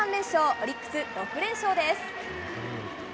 オリックス６連勝です。